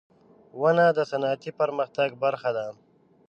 • ونه د صنعتي پرمختګ برخه ده.